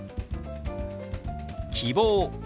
「希望」。